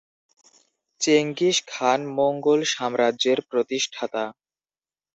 Genghis Khan Mongol সাম্রাজ্যের প্রতিষ্ঠাতা।